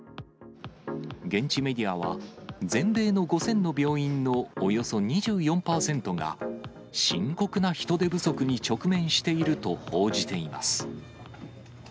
現地メディアは、全米の５０００の病院のおよそ２４％が、深刻な人手不足に直面していると報じています。